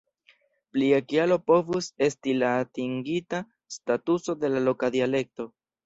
Plia kialo povus esti la atingita statuso de la loka dialekto.